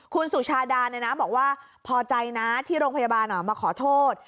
คุณสุชาดาบอกว่าพอใจนะที่โรงพยาบาลมาขอโทษ